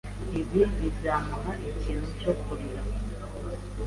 Ibi bizamuha ikintu cyo kurira.